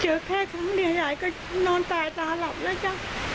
แค่ครั้งเดียวยายก็นอนตายตาหลับแล้วจ้ะ